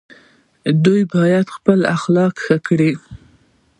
دوی باید خپل اخلاق ښه کړي.